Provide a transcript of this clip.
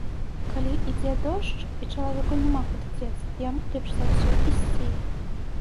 Калі ідзе дождж і чалавеку няма куды дзецца, яму лепш за ўсё ісці.